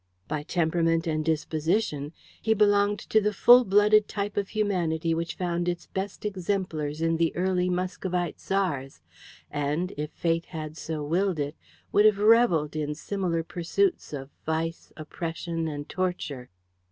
By temperament and disposition he belonged to the full blooded type of humanity which found its best exemplars in the early Muscovite Czars, and, if Fate had so willed it, would have revelled in similar pursuits of vice, oppression, and torture.